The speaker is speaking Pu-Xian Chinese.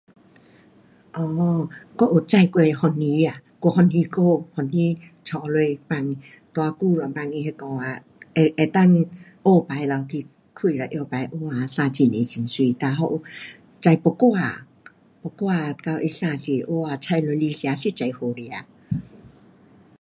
um 我有种过番薯啊，锄番薯杆，番薯插下放多久了咯，放它那个啊，能，能够挖起了开了拿起哇，生很多，很美。哒还有种木瓜啊，木瓜啊到它生时刻，哇，採下来吃，实在好吃。